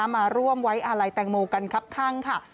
มาร่วมไว้อาลัยแตงโมกันครับข้างค่ะ